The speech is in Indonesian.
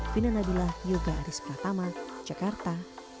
fina nabilah yoga aris pratama jakarta